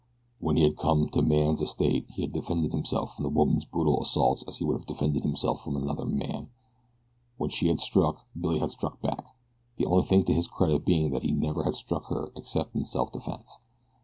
When he had come to man's estate he had defended himself from the woman's brutal assaults as he would have defended himself from another man when she had struck, Billy had struck back; the only thing to his credit being that he never had struck her except in self defense.